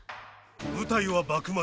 舞台は幕末。